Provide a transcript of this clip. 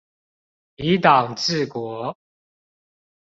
以黨治國